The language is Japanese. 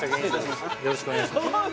よろしくお願いします